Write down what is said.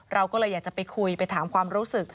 เราก็เลยอยากจะไปคุยไปถามความรู้สึก